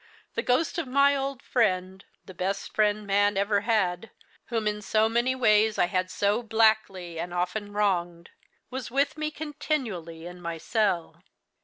The ghost of my old friend the best friend man ever had whom in so many ways I had so blackly and often wronged, was with me, continually, in my cell.